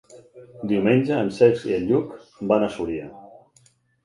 Diumenge en Cesc i en Lluc van a Súria.